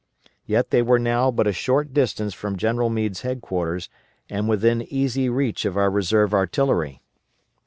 Yet they were now but a short distance from General Meade's headquarters, and within easy reach of our reserve artillery.